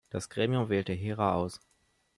Das Gremium wählte Hera aus.